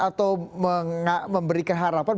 atau memberikan harapan